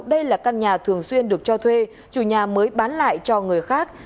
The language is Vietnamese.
đây là căn nhà thường xuyên được cho thuê chủ nhà mới bán lại cho người khác